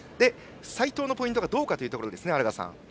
齊藤のポイントがどうかというところですね。